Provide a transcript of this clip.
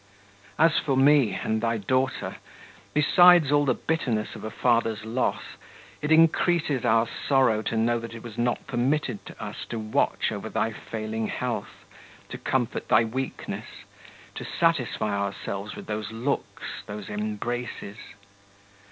As for me and thy daughter, besides all the bitterness of a father's loss, it increases our sorrow that it was not permitted us to watch over thy failing health, to comfort thy weakness, to satisfy ourselves with those looks, those embraces.